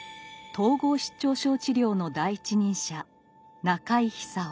統合失調症治療の第一人者中井久夫。